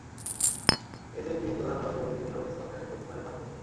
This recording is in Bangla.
এসএনপির প্রধান হওয়ার সুবাদে তিনি হবেন স্কটল্যান্ডের প্রথম নারী ফার্স্ট মিনিস্টার।